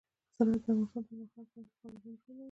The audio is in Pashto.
زراعت د افغانستان د اوږدمهاله پایښت لپاره مهم رول لري.